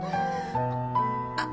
あっ。